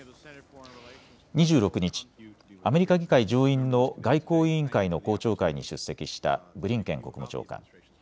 ２６日、アメリカ議会上院の外交委員会の公聴会に出席したブリンケン国務長官。